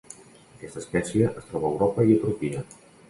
Aquesta espècie es troba a Europa i a Turquia.